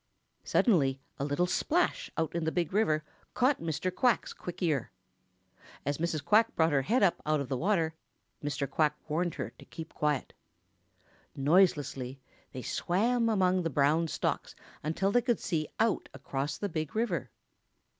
Suddenly a little splash out in the Big River caught Mr. Quack's quick ear. As Mrs. Quack brought her head up out of the water, Mr. Quack warned her to keep quiet. Noiselessly they swam among the brown stalks until they could see out across the Big River.